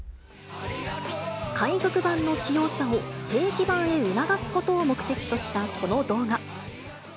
海賊版の使用者を正規版へ促すことを目的としたこの動画。